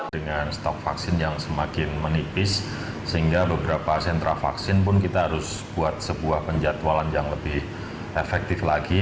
dengan stok vaksin yang semakin menipis sehingga beberapa sentra vaksin pun kita harus buat sebuah penjatualan yang lebih efektif lagi